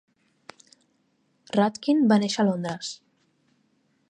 Rudkin va néixer a Londres.